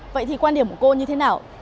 vậy thì quan điểm của cô như thế nào